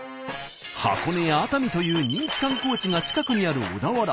箱根や熱海という人気観光地が近くにある小田原。